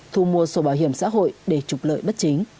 thu mua sổ bảo hiểm xã hội để trục lợi bất chính